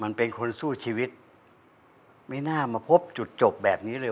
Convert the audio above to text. มันเป็นคนสู้ชีวิตไม่น่ามาพบจุดจบแบบนี้เลย